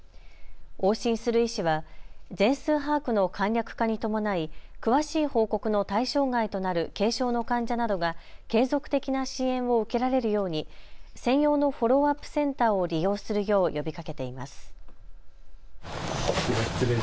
往診する医師は全数把握の簡略化に伴い、詳しい報告の対象外となる軽症の患者などが継続的な支援を受けられるように専用のフォローアップセンターを利用するよう呼びかけています。